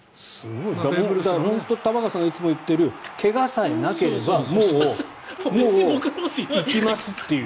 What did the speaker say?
本当、玉川さんがいつも言ってる怪我さえなければもういきますという。